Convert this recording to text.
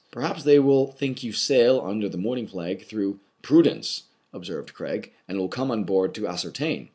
"Perhaps they will think you sail under the mourning flag through prudence," observed Craig, "and will come on board to ascertain."